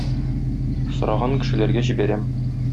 Сораган кешеләргә җибәрәм.